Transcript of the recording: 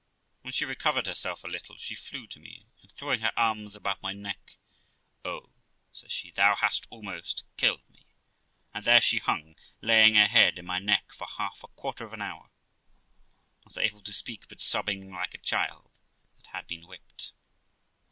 When she recovered herself a little, she flew to me, and, throwing her arms about my neck, 'Oh I' says she, 'thou hast almost 344 THE LIFE OF ROXANA killed me'; and there she hung, laying her head in my neck for half a quarter of an hour, not able to speak, but sobbing like a child that had been whipped.